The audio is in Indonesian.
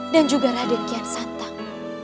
dan juga raden kian santang